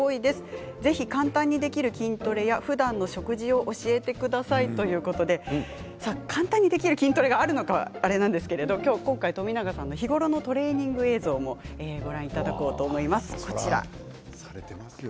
ぜひ簡単にできる筋トレやふだんの食事を教えてくださいということで簡単にできる筋トレがあるのかあれですけれど冨永さんの日頃のトレーニング映像をご覧いただこうと思います。